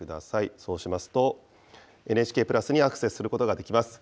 そうしますと、ＮＨＫプラスにアクセスすることができます。